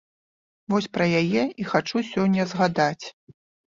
Вось пра яе і хачу сёння згадаць.